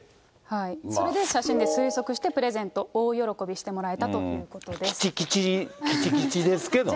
それで写真で推測してプレゼント、大喜びしてもらえたというきちきちですけどね。